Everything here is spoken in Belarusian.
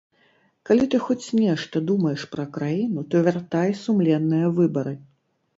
Калі ты хоць нешта думаеш пра краіну, то вяртай сумленныя выбары!